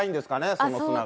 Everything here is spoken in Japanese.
その砂が。